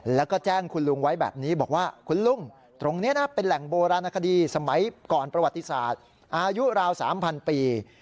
แล้วก็แจ้งคุณลุงไว้แบบนี้บอกว่าคุณลุงตรงนี้นะเป็นแหล่งโบราณคดีสมัยก่อนประวัติศาสตร์อายุราว๓๐๐ปี